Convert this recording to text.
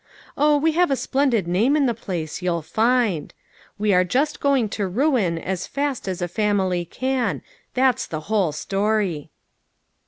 Oh, we have a splendid name in the place, you'll find. We are just going to ruin as fast as a family can ; that's the whole story."